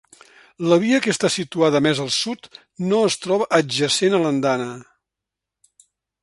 La via que està situada més al sud no es troba adjacent a l'andana.